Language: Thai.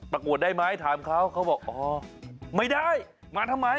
ประกวดได้ไหมถามเขาเขาบอกอ๋อไม่ได้มาทำไม